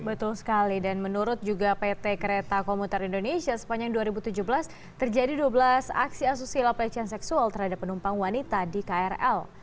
betul sekali dan menurut juga pt kereta komuter indonesia sepanjang dua ribu tujuh belas terjadi dua belas aksi asusila pelecehan seksual terhadap penumpang wanita di krl